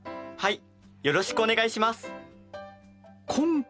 よろしくお願いします！